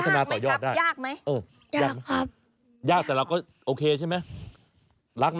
ทีเด็ดครับ